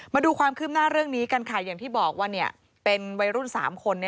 มาดูความคืบหน้าเรื่องนี้กันค่ะอย่างที่บอกว่าเป็นวัยรุ่น๓คน